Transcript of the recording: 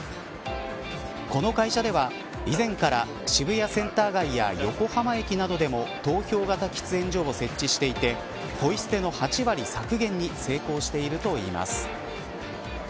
この会社では以前から渋谷センター街や横浜駅などでも投票型喫煙所を設置していてポイ捨ての８割削減に成功しているといいます。